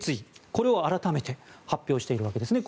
これを改めて発表しているわけですね。